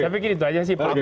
saya pikir itu aja sih